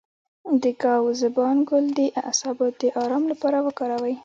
د ګاو زبان ګل د اعصابو د ارام لپاره وکاروئ